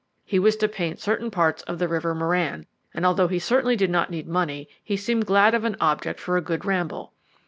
He was to paint certain parts of the river Merran; and although he certainly did not need money, he seemed glad of an object for a good ramble.